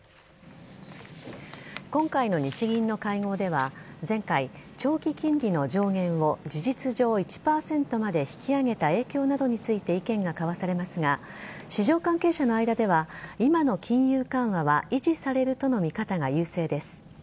今回の日銀の会合では前回、長期金利の上限を事実上１％まで引き上げた影響などについて意見が交わされますが市場関係者の間では今の金融緩和は維持されるとの見方が優勢です。